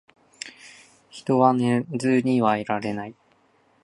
人は寝ずにはいられない